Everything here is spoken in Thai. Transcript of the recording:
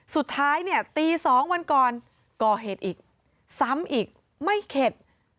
สุดท้ายเนี่ยตี๒วันก่อนก่อเหตุอีกซ้ำอีกไม่เข็ด